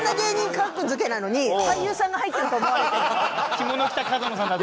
着物着た角野さんだと。